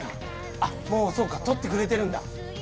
あっもうそうか。撮ってくれてるんだ。